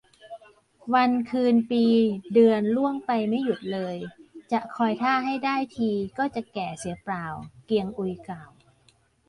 วันคืนปีเดือนล่วงไปไม่หยุดเลย จะคอยท่าให้ได้ทีก็จะแก่เสียเปล่า เกียงอุยกล่าว